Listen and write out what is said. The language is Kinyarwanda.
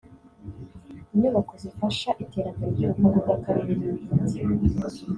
inyubako zifasha iterambere ry’ubukungu bw’akarere n’ibindi